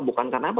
bukan karena apa